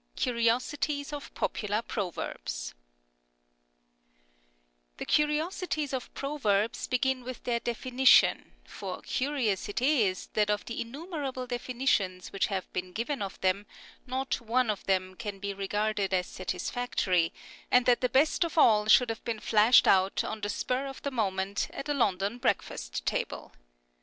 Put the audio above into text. CURIOSITIES OF POPULAR PROVERBS THE curiosities of proverbs begin with their definition, for curious it is that of the innumerable definitions which have been given of them, not one of them can be regarded as satisfactory, and that the best of all should have been flashed out, on the spur of the moment, at a London breakfast table.